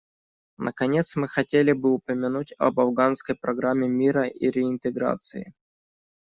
Наконец, мы хотели бы упомянуть об Афганской программе мира и реинтеграции.